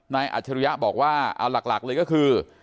อัจฉริยะบอกว่าเอาหลักเลยก็คือ